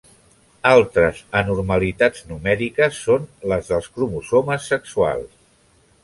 Altres anormalitats numèriques són les dels cromosomes sexuals.